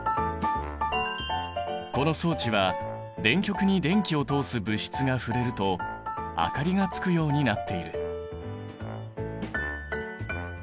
この装置は電極に電気を通す物質が触れると明かりがつくようになっている。